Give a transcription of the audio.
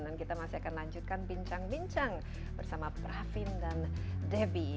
dan kita masih akan lanjutkan bincang bincang bersama pravin dan debbie